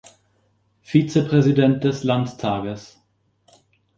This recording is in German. Vizepräsident des Landtages.